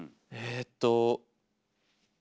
えっと